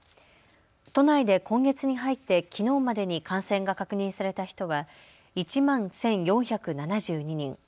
都内で今月に入ってきのうまでに感染が確認された人は１万１４７２人。